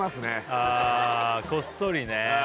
あこっそりねあ